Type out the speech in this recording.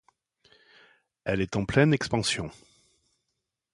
Elle est en pleine expansion.